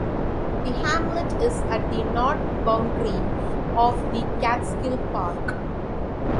The hamlet is at the north boundary of the Catskill Park.